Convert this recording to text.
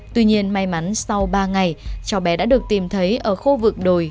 tuy nhiên may mắn sau ba ngày cháu bé đã được tìm thấy ở khu vực đồi